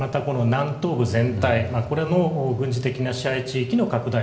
南東部全体これも軍事的な支配地域の拡大